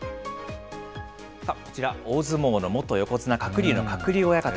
こちら、大相撲の元横綱・鶴竜の鶴竜親方。